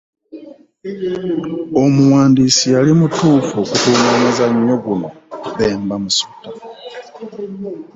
Omuwandiisi yali mutuufu okutuuma omuzannyo guno Bemba Musota?